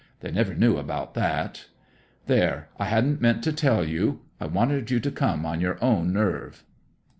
They never knew about that. There, I hadn't meant to tell you; I wanted you to come on your own nerve."